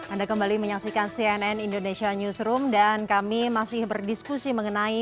anda kembali menyaksikan cnn indonesia newsroom dan kami masih berdiskusi mengenai